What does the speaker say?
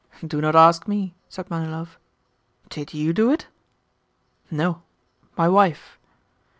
"Do not ask me," said Manilov. "Did YOU do it?" "No; my wife."